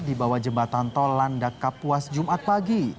di bawah jembatan tol landak kapuas jumat pagi